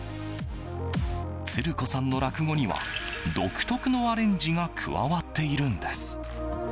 つる子さんの落語には独特のアレンジが加わっているんです。